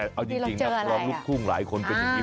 เอาจริงพร้อมลุ่มทรุงหลายคนไปอยู่นี่